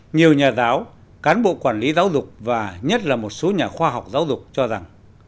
nhiều nhà giáo cán bộ quản lý giáo dục và nhất là một số nhà khoa học giáo dục cho rằng